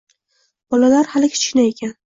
Bolalar hali kichkina ekan